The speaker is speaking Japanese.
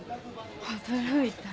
驚いた。